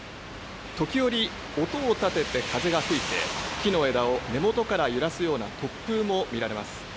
時折、音を立てて風が吹いて、木の枝を根元から揺らすような突風も見られます。